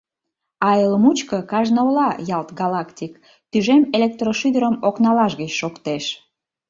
А эл мучко кажне ола — ялт галактик, тӱжем электрошӱдырым окналаж гыч шоктеш.